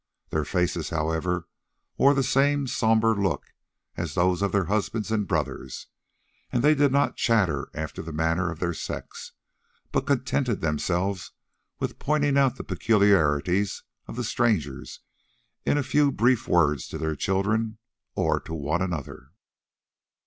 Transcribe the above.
Their faces, however, wore the same sombre look as those of their husbands and brothers, and they did not chatter after the manner of their sex, but contented themselves with pointing out the peculiarities of the strangers in a few brief words to their children or to one another.